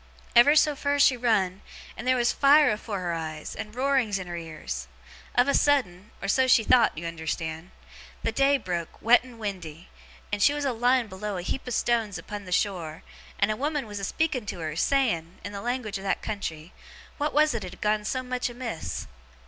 Ever so fur she run, and there was fire afore her eyes, and roarings in her ears. Of a sudden or so she thowt, you unnerstand the day broke, wet and windy, and she was lying b'low a heap of stone upon the shore, and a woman was a speaking to her, saying, in the language of that country, what was it as had gone so much amiss?